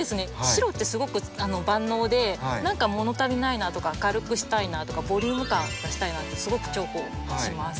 白ってすごく万能で何か物足りないなとか明るくしたいなとかボリューム感出したいなってすごく重宝します。